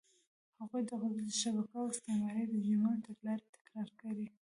هغوی د قدرت شبکه او د استعماري رژیمونو تګلارې تکرار کړې.